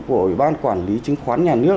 của ủy ban quản lý chứng khoán nhà nước